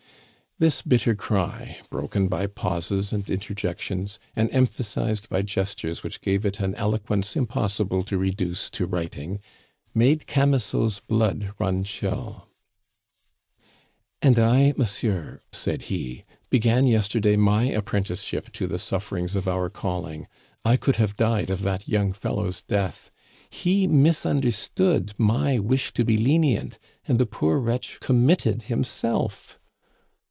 This bitter cry, broken by pauses and interjections, and emphasized by gestures which gave it an eloquence impossible to reduce to writing, made Camusot's blood run chill. "And I, monsieur," said he, "began yesterday my apprenticeship to the sufferings of our calling. I could have died of that young fellow's death. He misunderstood my wish to be lenient, and the poor wretch committed himself."